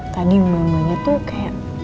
tadi nomornya tuh kayak